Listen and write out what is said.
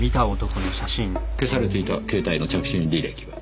消されていた携帯の着信履歴は？